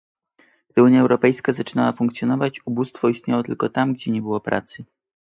Gdy Unia Europejska zaczynała funkcjonować, ubóstwo istniało tylko tam, gdzie nie było pracy